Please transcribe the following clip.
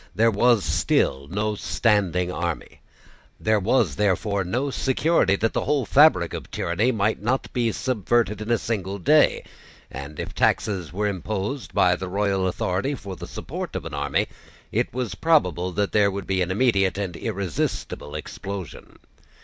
There was still no standing army. There was therefore, no security that the whole fabric of tyranny might not be subverted in a single day; and, if taxes were imposed by the royal authority for the support of an army, it was probable that there would be an immediate and irresistible explosion.